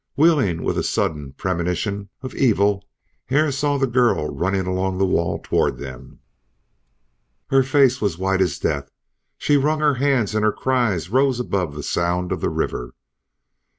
Wheeling with a sudden premonition of evil Hare saw the girl running along the wall toward them. Her face was white as death; she wrung her hands and her cries rose above the sound of the river.